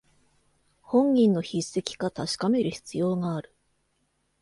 本人の筆跡か確かめる必要がある